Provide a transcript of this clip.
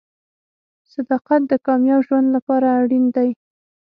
• صداقت د کامیاب ژوند لپاره اړین دی.